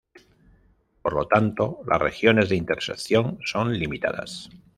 Por lo tanto, las regiones de intersección son limitadas.